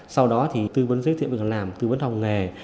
sau đó thì tư vấn giới thiệu việc làm tư vấn học nghề